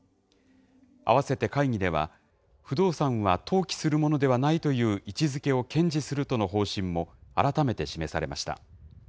併せて会議では、不動産は投機するものではないという位置づけを堅持するとの方針も、改めて示されました。